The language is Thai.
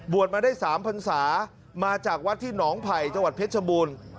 มาได้๓พันศามาจากวัดที่หนองไผ่จังหวัดเพชรชบูรณ์